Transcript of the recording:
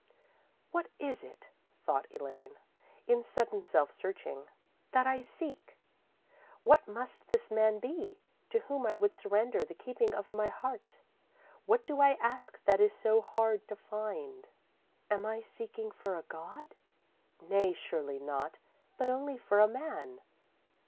_ _"What is it," thought Elaine, in sudden self searching, "that I seek? What must this man be, to whom I would surrender the keeping of my heart? What do I ask that is so hard to find?_ _"Am I seeking for a god? Nay, surely not, but only for a man.